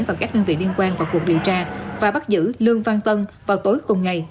và các đơn vị liên quan vào cuộc điều tra và bắt giữ lương văn tân vào tối cùng ngày